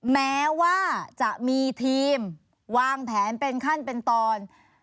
แม้ว่าจะมีทีมวางแผนเป็นขั้นเป็นตอน